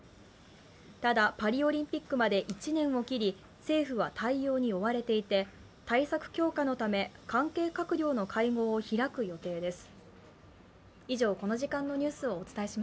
ただパリオリンピックまで１年を切り政府は対応に追われていて対策強化のため関係閣僚の会合を開く予定です。